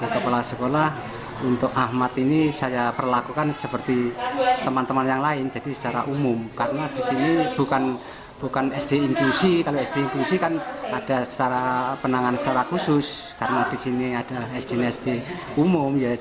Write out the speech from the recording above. karena di sini ada esjenesti umum